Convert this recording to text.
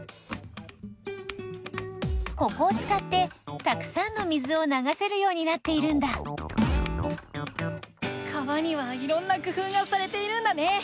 ここをつかってたくさんの水をながせるようになっているんだ川にはいろんな工夫がされているんだね。